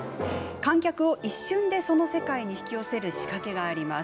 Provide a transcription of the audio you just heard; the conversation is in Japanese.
観客を一瞬で、その世界に引き寄せる仕掛けがあります。